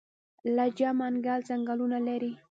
لجه منګل ځنګلونه لري؟